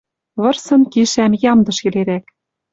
Вырсын кишӓм ямдыш йӹлерӓк.